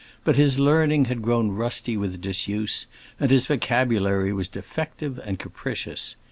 But his learning had grown rusty with disuse, and his vocabulary was defective and capricious.